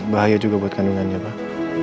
bahaya juga buat kandungannya pak